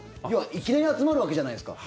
いきなり集まるわけじゃないですか。